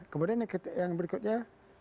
kemudian yang berikutnya